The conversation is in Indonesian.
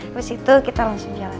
habis itu kita langsung jalan